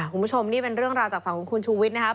คุณผู้ชมนี่เป็นเรื่องราวจากฝั่งของคุณชูวิทย์นะครับ